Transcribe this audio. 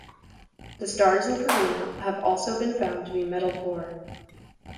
The stars in Carina have also been found to be metal-poor.